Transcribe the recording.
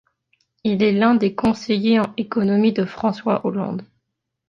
Il est l'un des conseillers en économie de François Hollande.